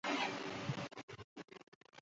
প্রসাদ পঁচিশটি গ্রন্থের রচয়িতা।